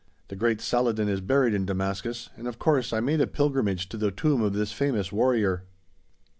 The great Saladin is buried in Damascus, and of course I made a pilgrimage to the tomb of this famous warrior.